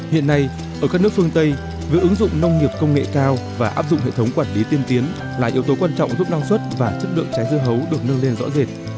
hiện nay ở các nước phương tây việc ứng dụng nông nghiệp công nghệ cao và áp dụng hệ thống quản lý tiên tiến là yếu tố quan trọng giúp năng suất và chất lượng trái dưa hấu được nâng lên rõ rệt